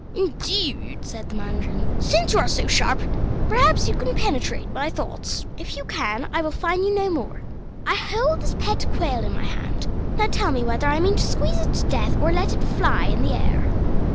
"Indeed," said the mandarin, "since you are so sharp, perhaps you can penetrate my thoughts. If you can, I will fine you no more. I hold this pet quail in my hand; now tell me whether I mean to squeeze it to death, or to let it fly in the air."